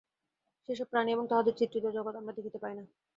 সেই-সব প্রাণী এবং তাহাদের চিত্রিত জগৎ আমরা দেখিতে পাই না।